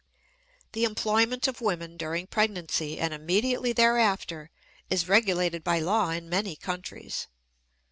The employment of women during pregnancy and immediately thereafter is regulated by law in many countries.